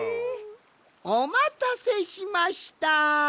おまたせしました。